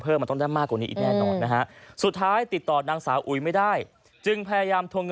แล้วให้ตายใจก่อน